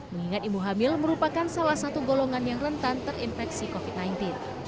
mengingat ibu hamil merupakan salah satu golongan yang rentan terinfeksi covid sembilan belas